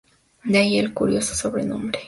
De ahí el curioso sobrenombre.